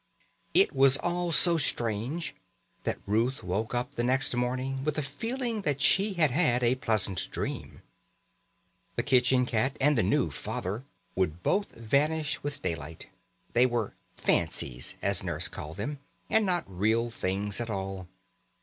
It was all so strange that Ruth woke up the next morning with a feeling that she had had a pleasant dream. The kitchen cat and the new father would both vanish with daylight; they were "fancies", as Nurse called them, and not real things at all.